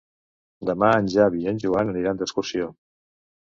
Demà en Xavi i en Joan aniran d'excursió.